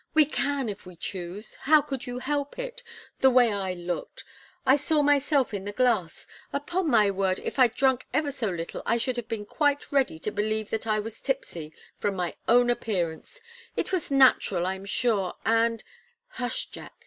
We can, if we choose. How could you help it the way I looked! I saw myself in the glass. Upon my word, if I'd drunk ever so little, I should have been quite ready to believe that I was tipsy, from my own appearance it was natural, I'm sure, and " "Hush, Jack!"